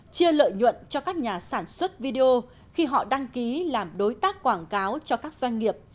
chia lợi nhuận cho các nhà sản xuất video khi họ đăng ký làm đối tác quảng cáo cho các doanh nghiệp